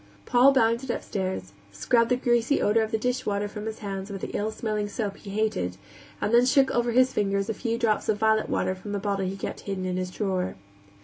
Paul bounded upstairs, scrubbed the greasy odor of the dishwater from his hands with the ill smelling soap he hated, and then shook over his fingers a few drops of violet water from the bottle he kept hidden in his drawer.